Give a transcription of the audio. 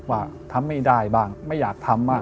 ว่าทำไม่ได้บ้างไม่อยากทำบ้าง